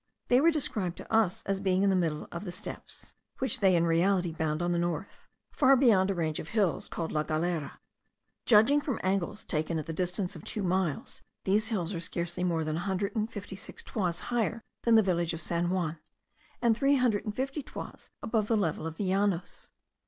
They were described to us as being in the middle of the steppes (which they in reality bound on the north) far beyond a range of hills called La Galera. Judging from angles taken at the distance of two miles, these hills are scarcely more than a hundred and fifty six toises higher than the village of San Juan, and three hundred and fifty toises above the level of the Llanos.